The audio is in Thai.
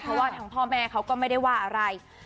เพราะว่าทางพ่อแม่เขาก็ไม่ได้ว่าอะไร